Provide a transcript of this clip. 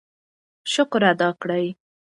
شکر ادا کړئ.